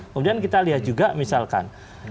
kemudian kita lihat juga misalkan